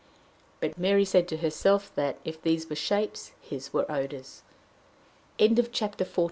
But Mary said to herself that, if these were shapes, his were odors. CHAPTER XLV.